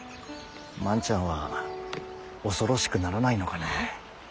万ちゃんは恐ろしくならないのかね？